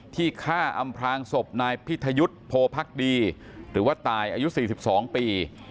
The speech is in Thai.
ที่ฆ่าอำพลางศพนายพิทยุทธ์โพพักดีหรือว่าตายอายุ๔๒ปี